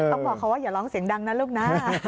บอกเขาว่าอย่าร้องเสียงดังนะลูกนะ